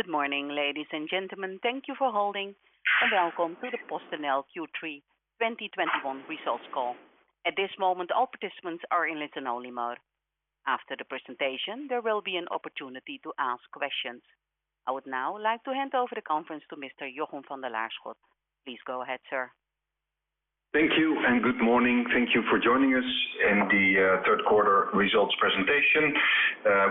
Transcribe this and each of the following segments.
Good morning, ladies and gentlemen. Thank you for holding and welcome to the PostNL Q3 2021 results call. At this moment, all participants are in listen only mode. After the presentation, there will be an opportunity to ask questions. I would now like to hand over the conference to Mr. Jochem van de Laarschot. Please go ahead, sir. Thank you and good morning. Thank you for joining us in the third quarter results presentation,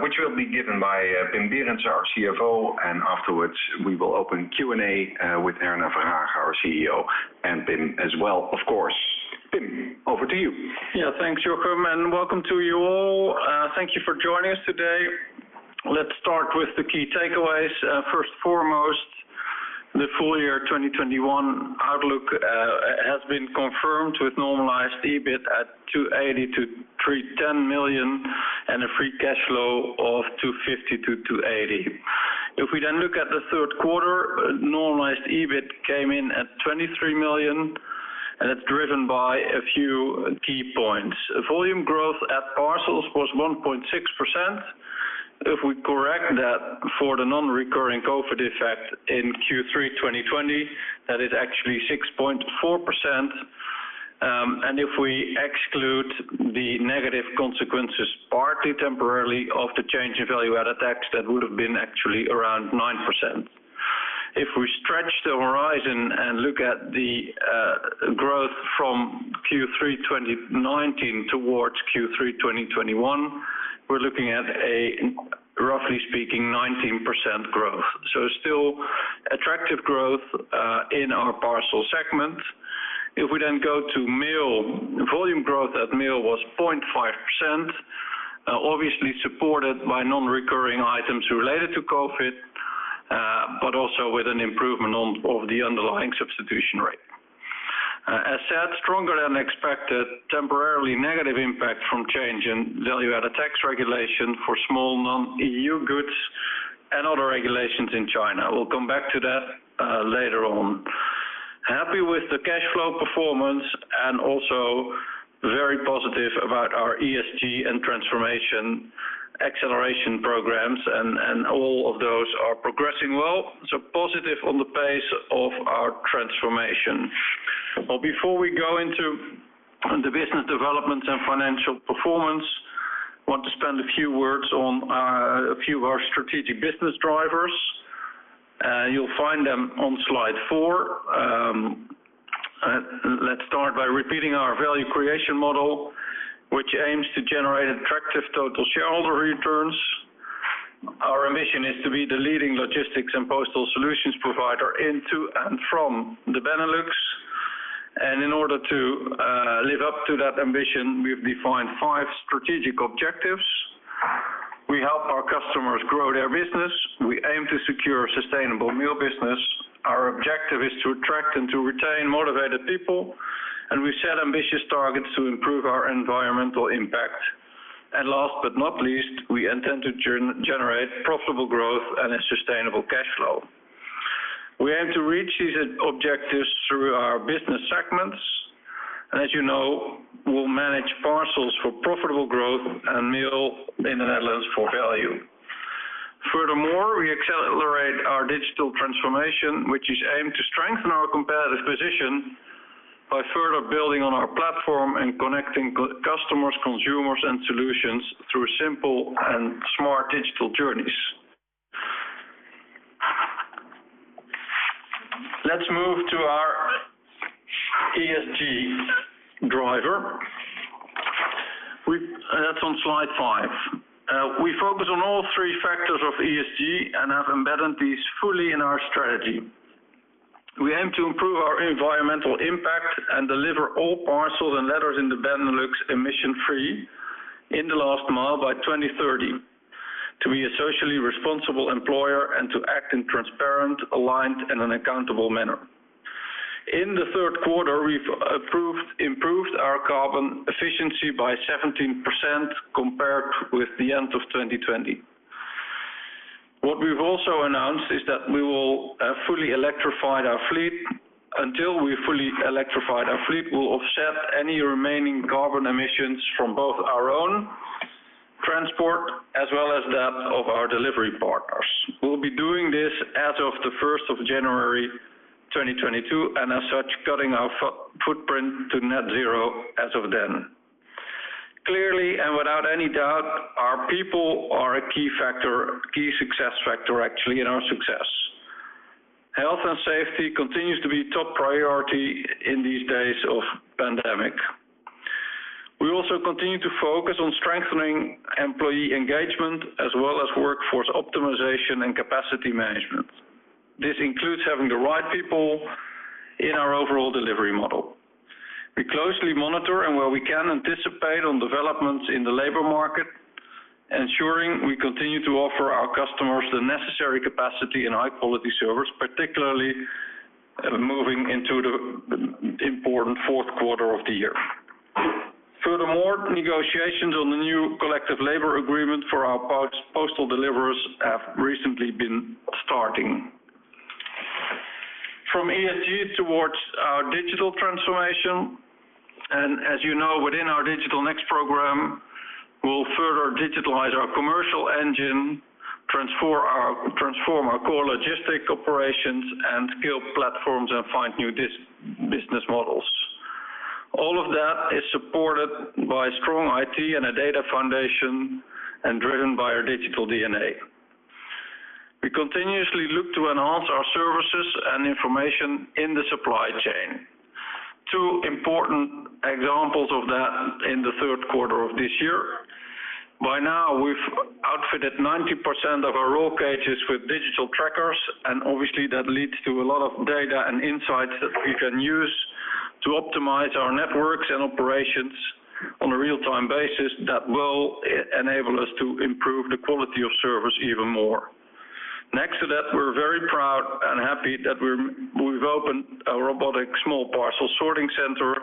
which will be given by Pim Berendsen, our CFO, and afterwards we will open Q&A with Herna Verhagen, our CEO, and Pim as well, of course. Pim, over to you. Yeah. Thanks, Jochem, and welcome to you all. Thank you for joining us today. Let's start with the key takeaways. First, foremost, the full year 2021 outlook has been confirmed with normalized EBIT at 280 million-310 million, and a free cash flow of 250 million-280 million. If we then look at the third quarter, normalized EBIT came in at 23 million, and it's driven by a few key points. Volume growth at parcels was 1.6%. If we correct that for the non-recurring COVID effect in Q3 2020, that is actually 6.4%. If we exclude the negative consequences, partly temporarily, of the change in value-added tax, that would have been actually around 9%. If we stretch the horizon and look at the growth from Q3 2019 towards Q3 2021, we're looking at a, roughly speaking, 19% growth. Still attractive growth in our parcel segment. If we then go to mail, volume growth at mail was 0.5%, obviously supported by non-recurring items related to COVID, but also with an improvement of the underlying substitution rate. As said, stronger than expected, temporarily negative impact from change in value-added tax regulation for small non-EU goods and other regulations in China. We'll come back to that later on. Happy with the cash flow performance and also very positive about our ESG and transformation acceleration programs, and all of those are progressing well. Positive on the pace of our transformation. Before we go into the business development and financial performance, I want to spend a few words on a few of our strategic business drivers. You'll find them on slide four. Let's start by repeating our value creation model, which aims to generate attractive total shareholder returns. Our ambition is to be the leading logistics and postal solutions provider into and from the Benelux. In order to live up to that ambition, we've defined five strategic objectives. We help our customers grow their business. We aim to secure sustainable mail business. Our objective is to attract and to retain motivated people, and we set ambitious targets to improve our environmental impact. Last but not least, we intend to generate profitable growth and a sustainable cash flow. We aim to reach these objectives through our business segments. As you know, we'll manage parcels for profitable growth and mail in the Netherlands for value. Furthermore, we accelerate our digital transformation, which is aimed to strengthen our competitive position by further building on our platform and connecting customers, consumers, and solutions through simple and smart digital journeys. Let's move to our ESG driver. That's on slide five. We focus on all three factors of ESG and have embedded these fully in our strategy. We aim to improve our environmental impact and deliver all parcels and letters in the Benelux emission-free in the last mile by 2030, to be a socially responsible employer and to act in transparent, aligned, and accountable manner. In the third quarter, we've improved our carbon efficiency by 17% compared with the end of 2020. What we've also announced is that we will have fully electrified our fleet. Until we fully electrified our fleet, we'll offset any remaining carbon emissions from both our own transport as well as that of our delivery partners. We'll be doing this as of January 1, 2022, and as such, cutting our footprint to net zero as of then. Clearly, without any doubt, our people are a key factor, key success factor, actually, in our success. Health and safety continues to be top priority in these days of pandemic. We also continue to focus on strengthening employee engagement as well as workforce optimization and capacity management. This includes having the right people in our overall delivery model. We closely monitor and where we can anticipate developments in the labor market, ensuring we continue to offer our customers the necessary capacity and high-quality service, particularly moving into the important fourth quarter of the year. Furthermore, negotiations on the new collective labor agreement for our postal deliverers have recently been starting. From ESG towards our digital transformation. As you know, within our Digital Next program, we'll further digitalize our commercial engine, transform our core logistics operations and scale platforms and find new disruptive business models. All of that is supported by strong IT and a data foundation, and driven by our digital DNA. We continuously look to enhance our services and information in the supply chain. Two important examples of that in the third quarter of this year. By now, we've outfitted 90% of our roll cages with digital trackers, and obviously that leads to a lot of data and insights that we can use to optimize our networks and operations on a real-time basis that will enable us to improve the quality of service even more. Next to that, we're very proud and happy that we've opened a robotic small parcels sorting center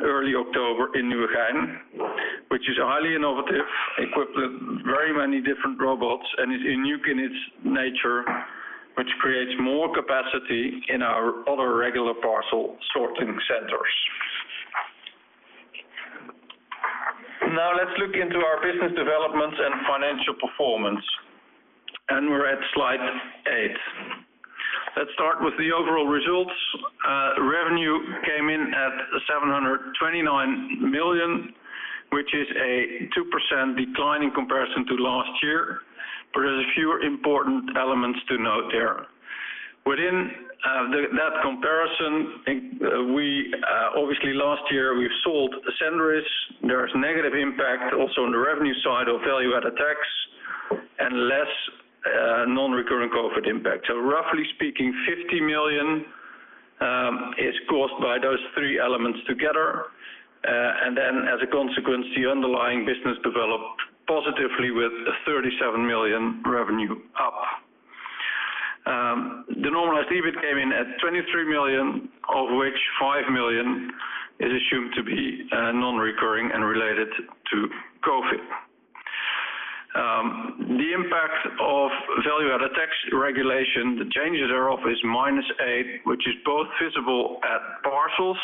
early October in Nieuwegein, which is highly innovative, equipped with very many different robots and is unique in its nature, which creates more capacity in our other regular parcel sorting centers. Now let's look into our business developments and financial performance. We're at slide eight. Let's start with the overall results. Revenue came in at 729 million, which is a 2% decline in comparison to last year. There's a few important elements to note there. Within that comparison, we obviously last year we've sold Cendris. There's negative impact also on the revenue side of value-added tax, and less non-recurring COVID impact. Roughly speaking, 50 million is caused by those three elements together. As a consequence, the underlying business developed positively with a 37 million revenue up. The normalized EBIT came in at 23 million, of which 5 million is assumed to be non-recurring and related to COVID. The impact of value-added tax regulation, the changes thereof is -8 million, which is both visible at parcels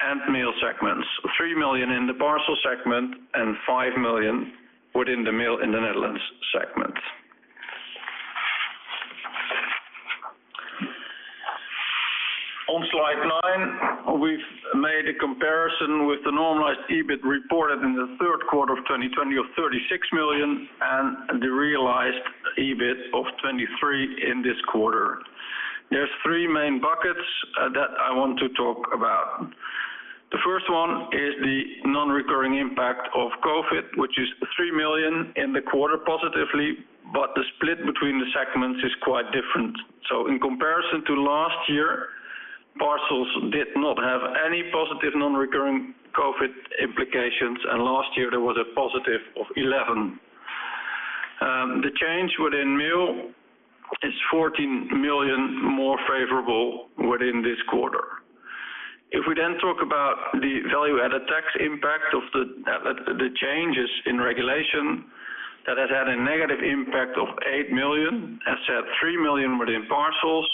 and mail segments, 3 million in the parcel segment and 5 million within the Mail in the Netherlands segment. On slide nine, we've made a comparison with the normalized EBIT reported in the third quarter of 2020 of 36 million, and the realized EBIT of 23 million in this quarter. There's three main buckets that I want to talk about. The first one is the non-recurring impact of COVID, which is 3 million in the quarter positively, but the split between the segments is quite different. In comparison to last year, parcels did not have any positive non-recurring COVID implications, and last year there was a positive of 11 million. The change within mail is 14 million more favorable within this quarter. If we talk about the value-added tax impact of the changes in regulation, that has had a negative impact of 8 million. As said, 3 million within parcels,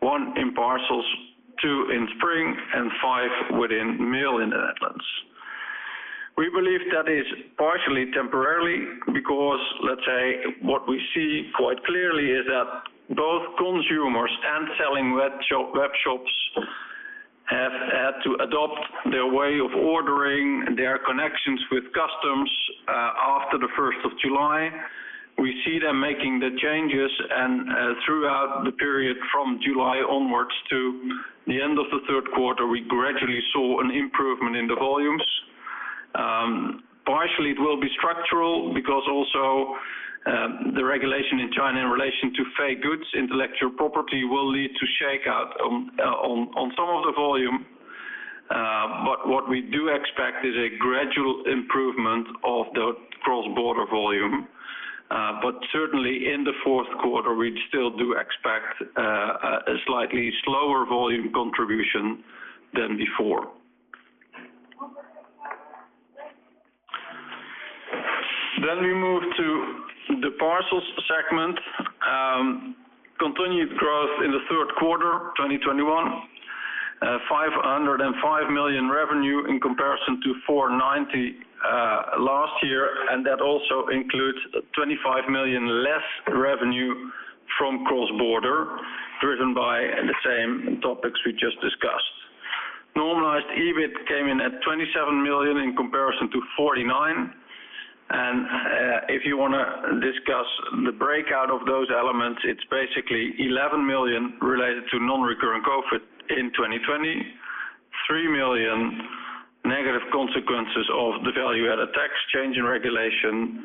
1 million in parcels, 2 million in Spring, and 5 million within mail in the Netherlands. We believe that is partially temporarily because, let's say, what we see quite clearly is that both consumers and selling web shops have had to adopt their way of ordering their connections with customs after the first of July. We see them making the changes and, throughout the period from July onwards to the end of the third quarter, we gradually saw an improvement in the volumes. Partially it will be structural because also, the regulation in China in relation to fake goods, intellectual property, will lead to shakeout on some of the volume. But what we do expect is a gradual improvement of the cross-border volume. But certainly in the fourth quarter, we still do expect a slightly slower volume contribution than before. We move to the parcels segment. Continued growth in the third quarter, 2021. 505 million revenue in comparison to 490 million last year. That also includes 25 million less revenue from cross-border, driven by the same topics we just discussed. Normalised EBIT came in at 27 million in comparison to 49 million. If you wanna discuss the breakdown of those elements, it's basically 11 million related to non-recurring COVID in 2020, 3 million negative consequences of the value-added tax change in regulation,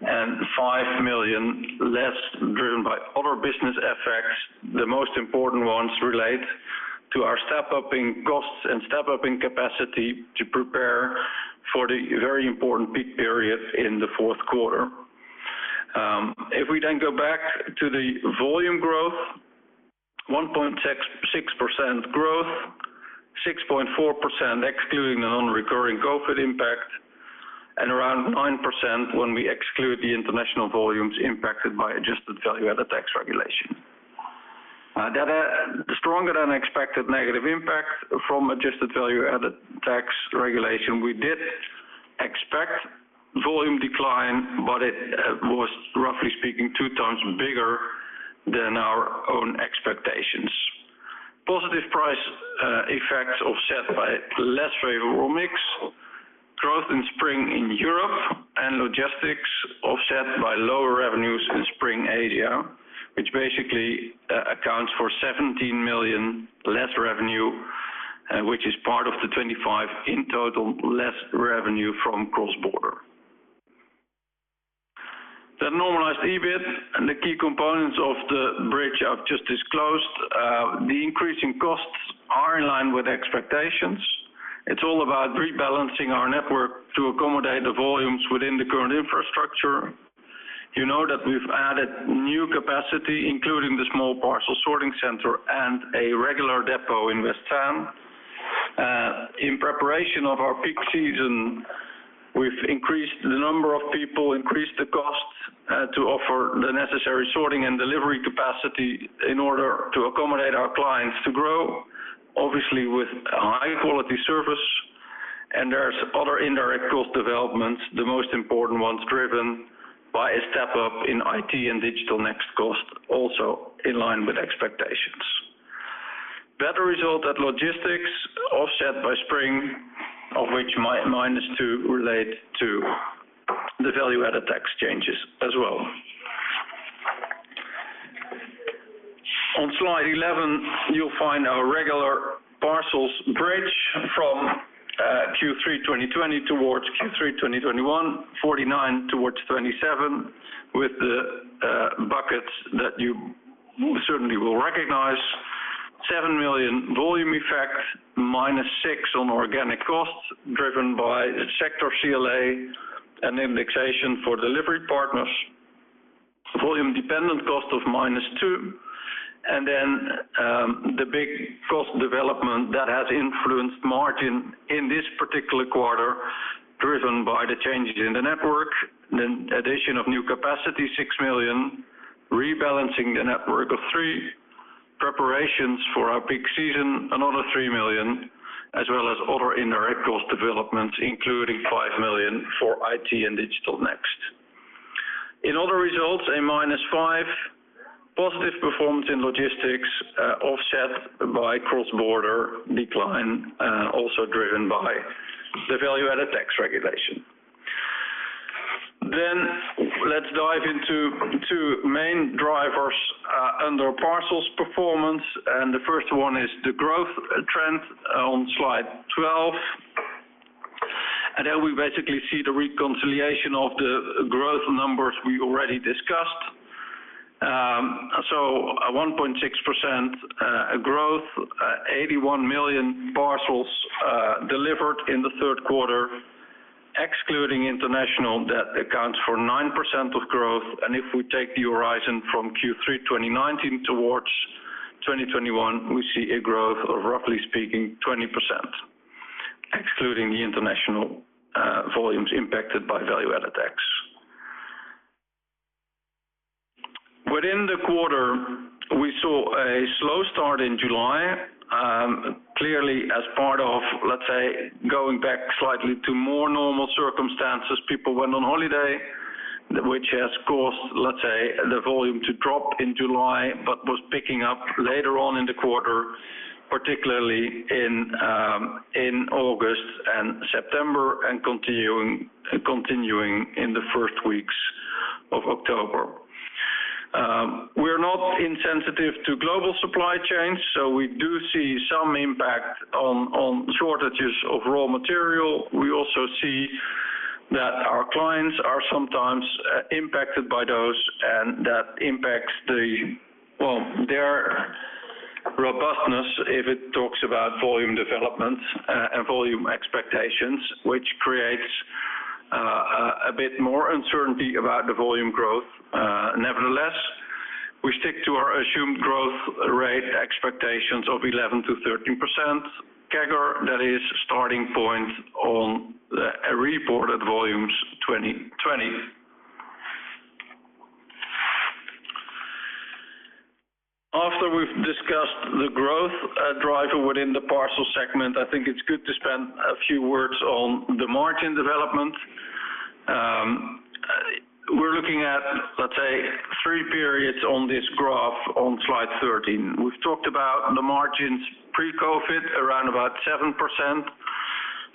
and 5 million less driven by other business effects. The most important ones relate to our step-up in costs and step-up in capacity to prepare for the very important peak period in the fourth quarter. If we then go back to the volume growth, 1.66% growth. Four percent excluding the non-recurring COVID impact, and around 9% when we exclude the international volumes impacted by adjusted value-added tax regulation. The stronger than expected negative impact from adjusted value-added tax regulation, we did expect volume decline, but it was roughly speaking two times bigger than our own expectations. Positive price effects offset by less favorable mix, growth in Spring in Europe and logistics offset by lower revenues in Spring Asia, which basically accounts for 17 million less revenue, which is part of the 25 in total less revenue from cross-border. The normalized EBIT and the key components of the bridge I've just disclosed, the increase in costs are in line with expectations. It's all about rebalancing our network to accommodate the volumes within the current infrastructure. You know that we've added new capacity, including the small parcels sorting center and a regular depot in Westzaan. In preparation of our peak season, we've increased the number of people, increased the costs, to offer the necessary sorting and delivery capacity in order to accommodate our clients to grow, obviously with a high-quality service. There's other indirect cost developments, the most important ones driven by a step up in IT and Digital Next cost, also in line with expectations. Better result at logistics offset by Spring, of which minus two relate to the value-added tax changes as well. On slide 11, you'll find our regular parcels bridge from Q3 2020 towards Q3 2021, 49 million towards 27 million, with the buckets that you certainly will recognize. 7 million volume effect, minus 6 on organic costs driven by sector CLA and indexation for delivery partners. Volume-dependent cost of -2 million, the big cost development that has influenced margin in this particular quarter, driven by the changes in the network, the addition of new capacity, 6 million, rebalancing the network of 3 million, preparations for our peak season, another 3 million, as well as other indirect cost developments, including 5 million for IT and Digital Next. In other results, a -5, positive performance in logistics, offset by cross-border decline, also driven by the value-added tax regulation. Let's dive into two main drivers under parcels performance, and the first one is the growth trend on slide 12. We basically see the reconciliation of the growth numbers we already discussed. A 1.6% growth, 81 million parcels delivered in the third quarter, excluding international, that accounts for 9% of growth. If we take the horizon from Q3 2019 towards 2021, we see a growth of roughly speaking 20%, excluding the international volumes impacted by value-added tax. Within the quarter, we saw a slow start in July, clearly as part of, let's say, going back slightly to more normal circumstances. People went on holiday, which has caused, let's say, the volume to drop in July, but was picking up later on in the quarter, particularly in August and September and continuing in the first weeks of October. We're not insensitive to global supply chains, so we do see some impact on shortages of raw material. We also see that our clients are sometimes impacted by those, and that impacts the Well, their robustness if it talks about volume development and volume expectations, which creates a bit more uncertainty about the volume growth. Nevertheless, we stick to our assumed growth rate expectations of 11%-13% CAGR. That is starting point on the reported volumes 2020. After we've discussed the growth driver within the parcel segment, I think it's good to spend a few words on the margin development. We're looking at, let's say, three periods on this graph on slide 13. We've talked about the margins pre-COVID, around about 7%.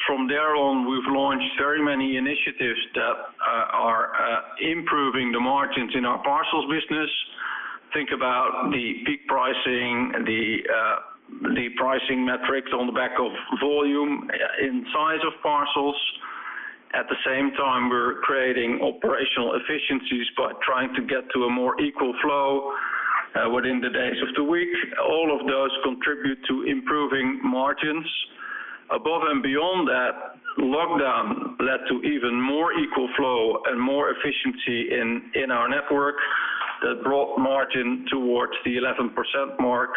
From there on, we've launched very many initiatives that are improving the margins in our parcels business. Think about the peak pricing, the pricing metrics on the back of volume in size of parcels. At the same time, we're creating operational efficiencies by trying to get to a more equal flow within the days of the week. All of those contribute to improving margins. Above and beyond that, lockdown led to even more equal flow and more efficiency in our network. That brought margin towards the 11% mark,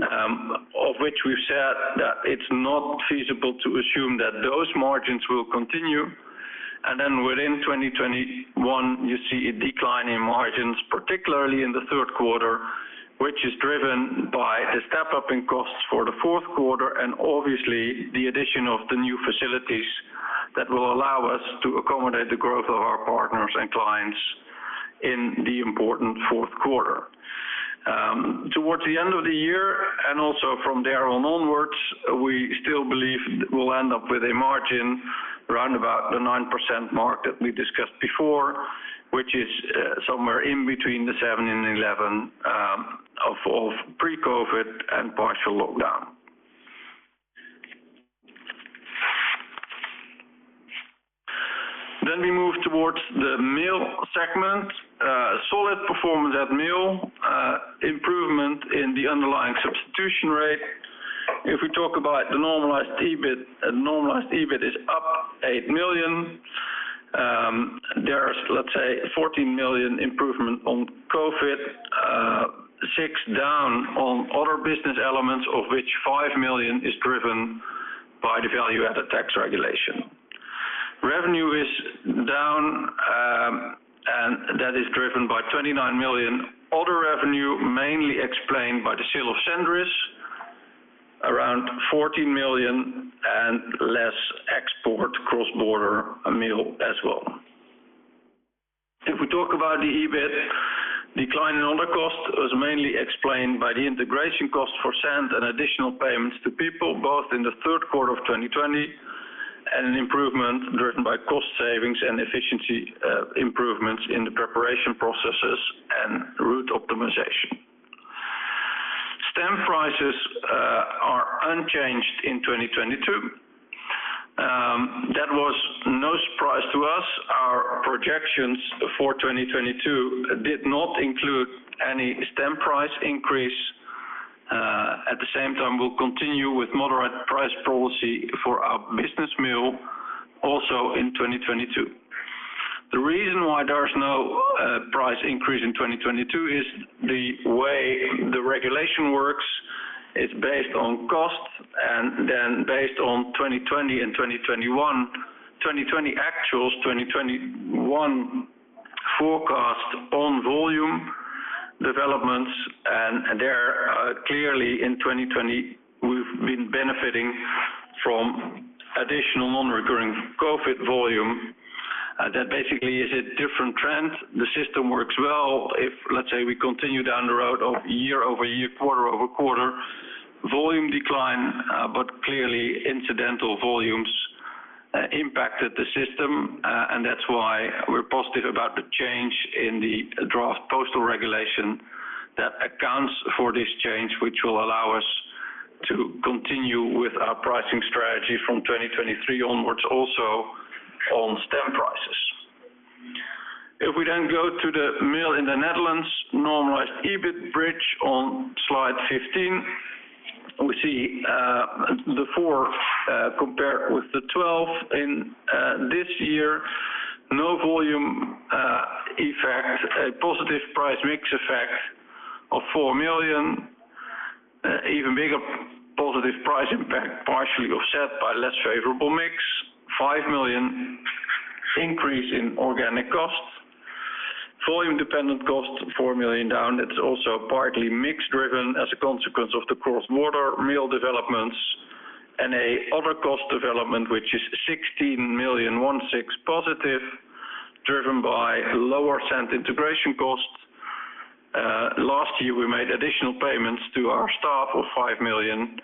of which we've said that it's not feasible to assume that those margins will continue. Within 2021, you see a decline in margins, particularly in the third quarter, which is driven by the step-up in costs for the fourth quarter, and obviously the addition of the new facilities that will allow us to accommodate the growth of our partners and clients in the important fourth quarter. Towards the end of the year, and also from there on onwards, we still believe we'll end up with a margin around about the 9% mark that we discussed before, which is somewhere in between the 7% and 11% of pre-COVID and partial lockdown. We move towards the mail segment. Solid performance at mail, improvement in the underlying substitution rate. If we talk about the normalized EBIT, normalized EBIT is up 8 million. There's, let's say, 14 million improvement on COVID, six down on other business elements, of which 5 million is driven by the value-added tax regulation. Revenue is down, and that is driven by 29 million. Other revenue mainly explained by the sale of Cendris, around 14 million and less export cross-border mail as well. If we talk about the EBIT decline in other costs, it was mainly explained by the integration costs for Spring and additional payments to people both in the third quarter of 2020, and an improvement driven by cost savings and efficiency improvements in the preparation processes and route optimization. Stamp prices are unchanged in 2022. That was no surprise to us. Our projections for 2022 did not include any stamp price increase. At the same time, we'll continue with moderate price policy for our business mail also in 2022. The reason why there's no price increase in 2022 is the way the regulation works. It's based on cost and then based on 2020 and 2021. 2020 actuals, 2021 forecast on volume developments, and there clearly in 2020 we've been benefiting from additional non-recurring COVID volume. That basically is a different trend. The system works well if, let's say, we continue down the road of year-over-year, quarter-over-quarter volume decline, but clearly incidental volumes impacted the system. That's why we're positive about the change in the draft postal regulation that accounts for this change, which will allow us to continue with our pricing strategy from 2023 onwards, also on stamp prices. If we then go to the Mail in the Netherlands, normalized EBIT bridge on slide 15, we see the four compared with the 12 in this year. No volume effect. A positive price mix effect of 4 million. Even bigger positive price impact partially offset by less favorable mix. 5 million increase in organic costs. Volume dependent costs, 4 million down. That's also partly mix driven as a consequence of the cross-border mail developments and other cost development, which is 16 million +16 positive, driven by lower Cendris integration costs. Last year we made additional payments to our staff of 5 million,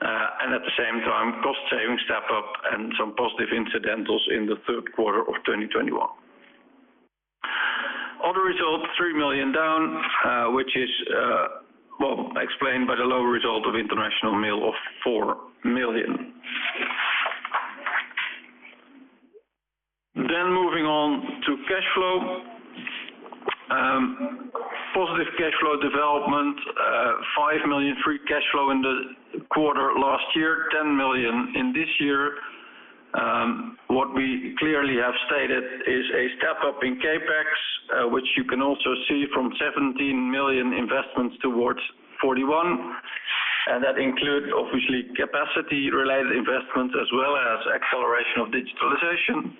and at the same time, cost saving step up and some positive incidentals in the third quarter of 2021. Other results, 3 million down, which is explained by the lower result of international mail of 4 million. Moving on to cash flow. Positive cash flow development, 5 million free cash flow in the quarter last year, 10 million in this year. What we clearly have stated is a step up in CapEx, which you can also see from 17 million investments towards 41. That includes obviously capacity related investments as well as acceleration of digitalization.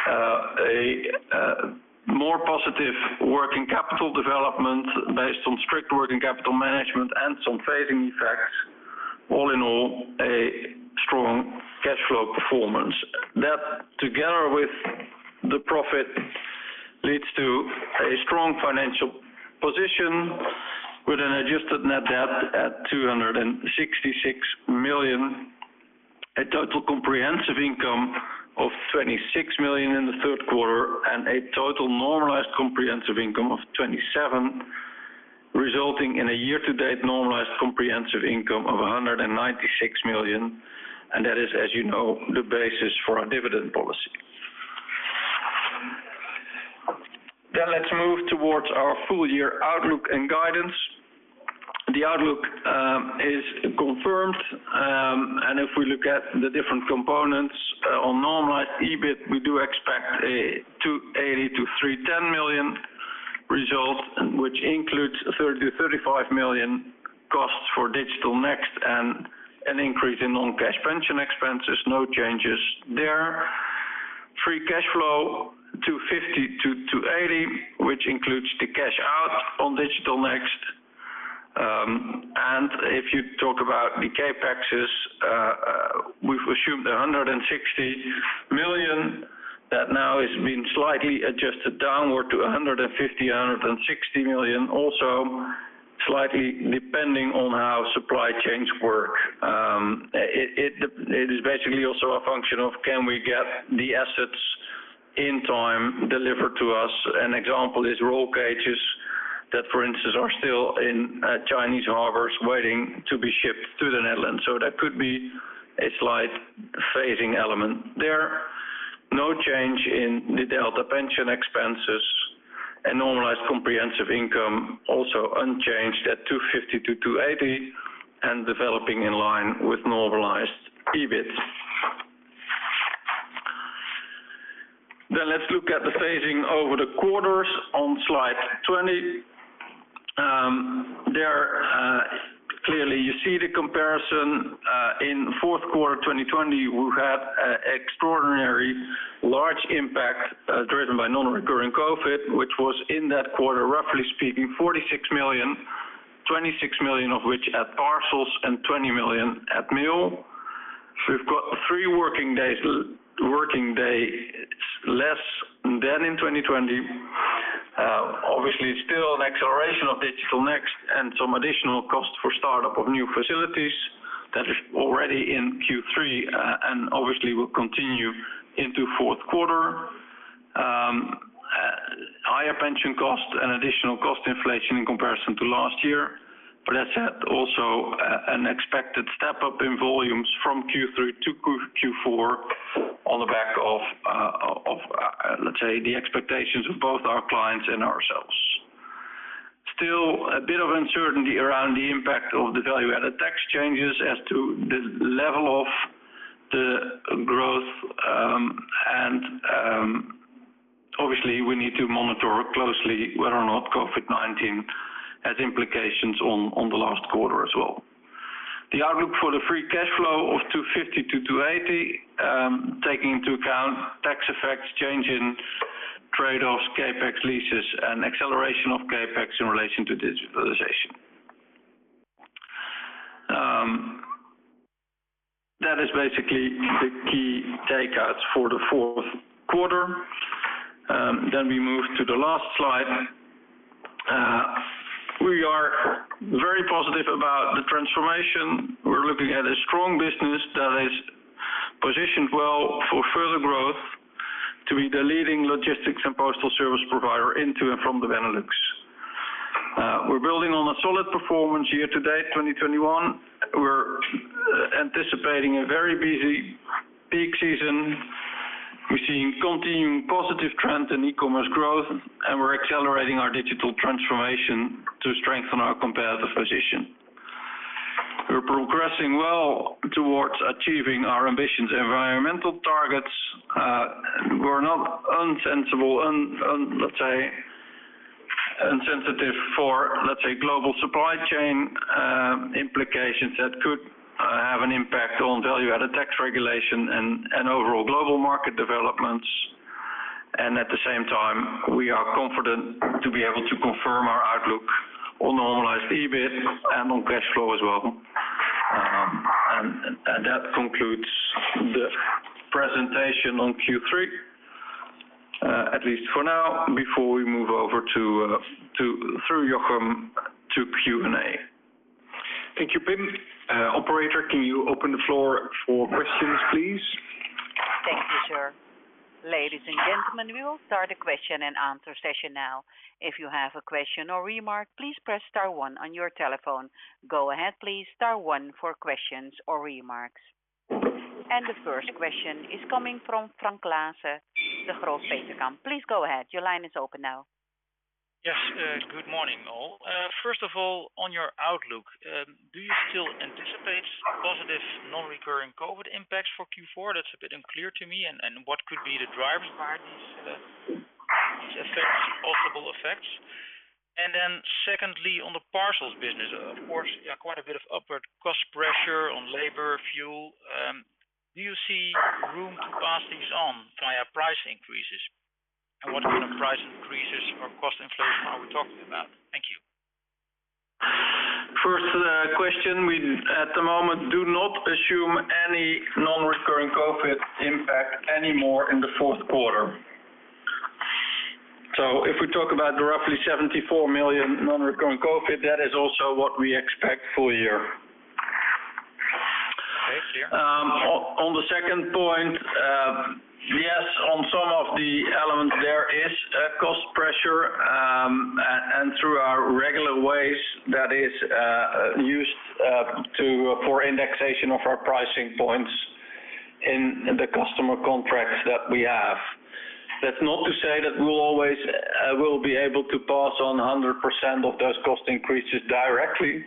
A more positive working capital development based on strict working capital management and some phasing effects. All in all, a strong cash flow performance. That, together with the profit, leads to a strong financial position with an adjusted net debt at 266 million, a total comprehensive income of 26 million in the third quarter, and a total normalized comprehensive income of 27 million, resulting in a year to date normalized comprehensive income of 196 million, and that is, as you know, the basis for our dividend policy. Let's move towards our full year outlook and guidance. The outlook is confirmed. And if we look at the different components, on normalized EBIT, we do expect a 280 million-310 million result, which includes 30 million-35 million costs for Digital Next and an increase in non-cash pension expenses. No changes there. Free cash flow, 250 million-280 million, which includes the cash out on Digital Next. If you talk about the CapExes, we've assumed 160 million that now has been slightly adjusted downward to 150-160 million, also slightly depending on how supply chains work. It is basically also a function of can we get the assets in time delivered to us. An example is roll cages that, for instance, are still in Chinese harbors waiting to be shipped to the Netherlands. That could be a slight phasing element there. No change in the delta pension expenses and normalized comprehensive income also unchanged at 250 million-280 million and developing in line with normalized EBIT. Let's look at the phasing over the quarters on slide 20. Clearly you see the comparison. In fourth quarter of 2020, we had extraordinary large impact driven by non-recurring COVID, which was in that quarter, roughly speaking, 46 million, 26 million of which at Parcels and 20 million at Mail. We've got three working days less than in 2020. Obviously, still an acceleration of Digital Next and some additional costs for startup of new facilities that is already in Q3, and obviously will continue into fourth quarter. Higher pension costs and additional cost inflation in comparison to last year. That said, also an expected step-up in volumes from Q3 to Q4 on the back of of, let's say, the expectations of both our clients and ourselves. Still a bit of uncertainty around the impact of the value-added tax changes as to the level of the growth. Obviously we need to monitor closely whether or not COVID-19 has implications on the last quarter as well. The outlook for the free cash flow of 250 million-280 million, taking into account tax effects, change in trade-offs, CapEx leases, and acceleration of CapEx in relation to digitalization. That is basically the key takeaways for the fourth quarter. We move to the last slide. We are very positive about the transformation. We're looking at a strong business that is positioned well for further growth to be the leading logistics and postal service provider into and from the Benelux. We're building on a solid performance year to date, 2021. We're anticipating a very busy peak season. We're seeing continuing positive trend in e-commerce growth, and we're accelerating our digital transformation to strengthen our competitive position. We're progressing well towards achieving our ambitious environmental targets. We're not insensitive for, let's say, global supply chain implications that could have an impact on value-added tax regulation and overall global market developments. At the same time, we are confident to be able to confirm our outlook on normalized EBIT and on cash flow as well. That concludes the presentation on Q3, at least for now, before we move over to through Jochem to Q&A. Thank you, Pim. Operator, can you open the floor for questions, please? Thank you, sir. Ladies and gentlemen, we will start the question and answer session now. If you have a question or remark, please press star one on your telephone. Go ahead, please. Star one for questions or remarks. The first question is coming from Frank Claassen, Degroof Petercam. Please go ahead. Your line is open now. Yes, good morning, all. First of all, on your outlook, do you still anticipate positive non-recurring COVID impacts for Q4? That's a bit unclear to me. What could be the drivers behind these effects, possible effects? Secondly, on the parcels business, of course, yeah, quite a bit of upward cost pressure on labor, fuel. Do you see room to pass these on via price increases? What kind of price increases or cost inflation are we talking about? Thank you. First, question, we at the moment do not assume any non-recurring COVID impact anymore in the fourth quarter. If we talk about the roughly 74 million non-recurring COVID, that is also what we expect full year. Okay. Sure. On the second point, yes, on some of the elements there is a cost pressure, and through our regular ways that is used for indexation of our pricing points in the customer contracts that we have. That's not to say that we'll always will be able to pass on 100% of those cost increases directly.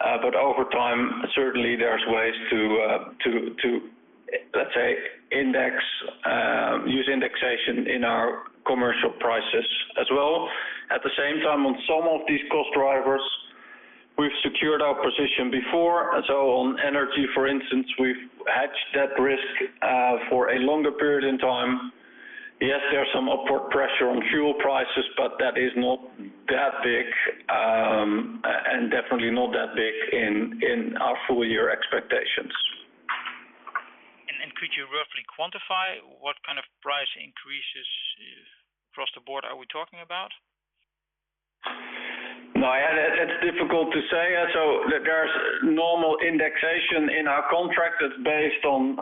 Over time, certainly there's ways to let's say index, use indexation in our commercial prices as well. At the same time, on some of these cost drivers, we've secured our position before. On energy, for instance, we've hedged that risk for a longer period in time. Yes, there's some upward pressure on fuel prices, but that is not that big, and definitely not that big in our full-year expectations. Could you roughly quantify what kind of price increases across the board are we talking about? No, yeah, that's difficult to say. There's normal indexation in our contract that's based on,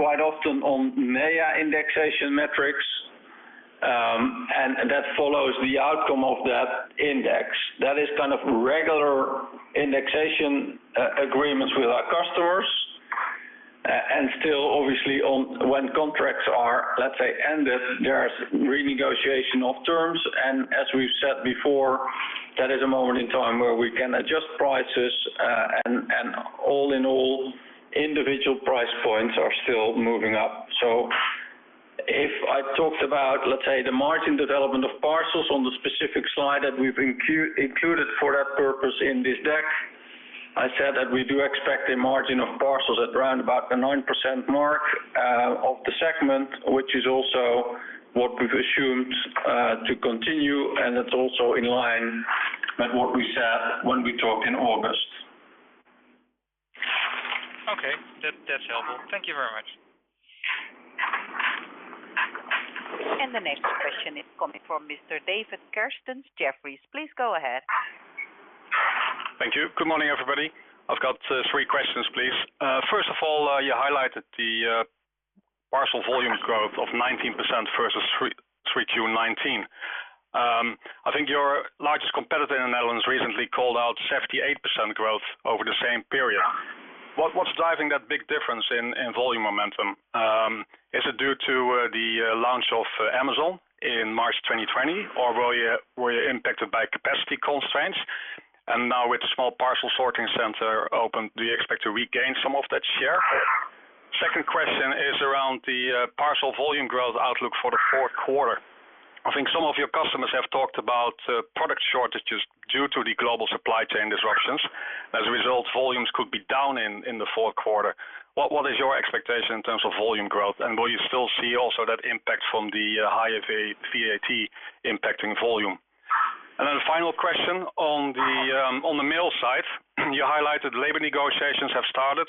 quite often on CPI indexation metrics, and that follows the outcome of that index. That is kind of regular indexation agreements with our customers. Still, obviously, when contracts are, let's say, ended, there's renegotiation of terms. As we've said before, that is a moment in time where we can adjust prices, and all in all, individual price points are still moving up. If I talked about, let's say, the margin development of parcels on the specific slide that we've included for that purpose in this deck, I said that we do expect a margin of parcels at around about the 9% mark of the segment, which is also what we've assumed to continue, and it's also in line with what we said when we talked in August. Okay. That, that's helpful. Thank you very much. The next question is coming from Mr. David Kerstens, Jefferies. Please go ahead. Thank you. Good morning, everybody. I've got three questions, please. First of all, you highlighted the parcel volume growth of 19% versus Q3 2019. I think your largest competitor in the Netherlands recently called out 78% growth over the same period. What's driving that big difference in volume momentum? Is it due to the launch of Amazon in March 2020, or were you impacted by capacity constraints? Now with small parcels sorting centre open, do you expect to regain some of that share? Second question is around the parcel volume growth outlook for the fourth quarter. I think some of your customers have talked about product shortages due to the global supply chain disruptions. As a result, volumes could be down in the fourth quarter. What is your expectation in terms of volume growth, and will you still see also that impact from the higher VAT impacting volume? Final question on the mail side. You highlighted labor negotiations have started.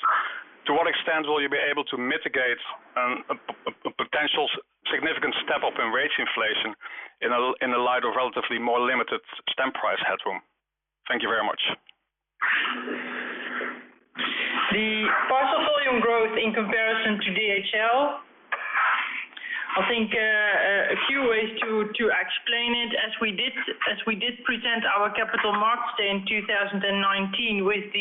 To what extent will you be able to mitigate a potential significant step up in rate inflation in a light of relatively more limited stamp price headroom? Thank you very much. The parcel volume growth in comparison to DHL, I think, a few ways to explain it. As we did present our Capital Markets Day in 2019 with the